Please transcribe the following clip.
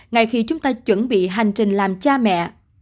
ngay khi chúng ta chuẩn bị hành trình làm cha mẹ